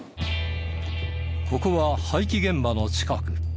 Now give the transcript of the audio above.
ここは廃棄現場の近く。